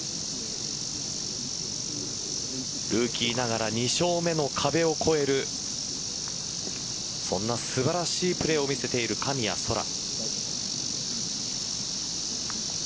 ルーキーながら２勝目の壁を超えるそんな素晴らしいプレーを見せている神谷そら。